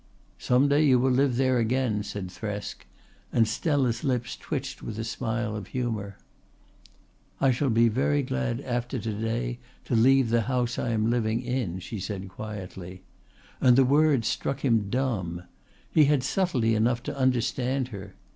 "Some day you will live there again," said Thresk, and Stella's lips twitched with a smile of humour. "I shall be very glad after to day to leave the house I am living in," she said quietly, and the words struck him dumb. He had subtlety enough to understand her.